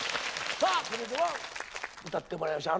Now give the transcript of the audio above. さあそれでは歌ってもらいましょう。